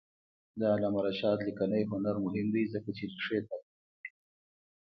د علامه رشاد لیکنی هنر مهم دی ځکه چې ریښې تعقیبوي.